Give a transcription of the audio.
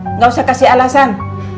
enggak usah kasih alasan